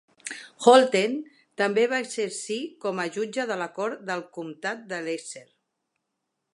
Holten també va exercir com a jutge de la cort del Comtat d'Essex.